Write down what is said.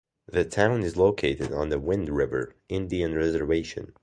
The town is located on the Wind River Indian Reservation.